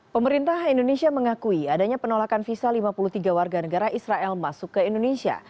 pemerintah indonesia mengakui adanya penolakan visa lima puluh tiga warga negara israel masuk ke indonesia